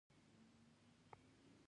دا د ښه پوهېدو او یاد ساتلو کې مرسته کوي.